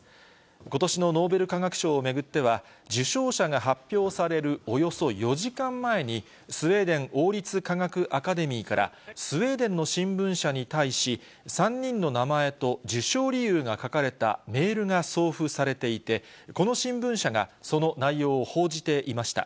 ことしのノーベル化学賞を巡っては、受賞者が発表されるおよそ４時間前に、スウェーデン王立科学アカデミーから、スウェーデンの新聞社に対し、３人の名前と、受賞理由が書かれたメールが送付されていて、この新聞社がその内容を報じていました。